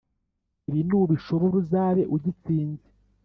ibi nubishobora uzaba ugitsinze